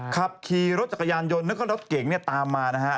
ขับขี่รถจักรยานยนต์แล้วก็รถเก่งเนี่ยตามมานะฮะ